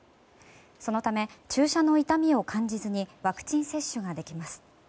そのため、注射の痛みを感じずにワクチン接種ができます。